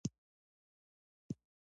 غیر رسمي ډالرایزیشن نږدې په هر هېواد کې شته.